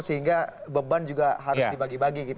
sehingga beban juga harus dibagi bagi gitu